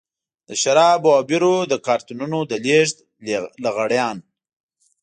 د شرابو او بيرو د کارټنونو د لېږد لغړيان.